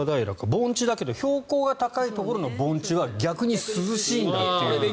盆地だけど標高が高いところの盆地は逆に涼しいんだという。